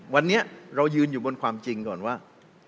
วันนี้เรายืนอยู่บนความจริงก่อนว่า